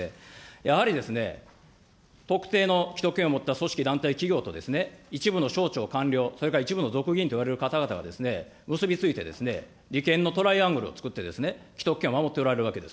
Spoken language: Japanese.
やはり特定の既得権を持った組織、団体、企業と、一部の省庁官僚、それから一部の族議員といわれる方々が結び付いて、利権のトライアングルを作って既得権を守っておられるわけです。